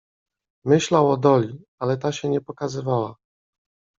"Myślał o Doli, ale ta się nie pokazywała."